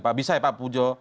pak bisa ya pak pujo